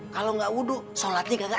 kalau gak wudhu sholatnya gak sah